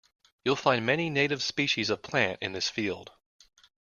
You'll find many native species of plant in this field